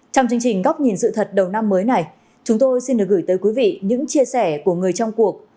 trong chương trình góc nhìn sự thật đầu năm mới này chúng tôi xin được gửi tới quý vị những chia sẻ của người trong cuộc